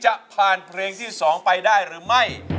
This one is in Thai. จะผ่านเพลงที่๒ไปได้หรือไม่